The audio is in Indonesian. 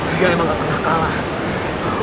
dia emang gak pernah kalah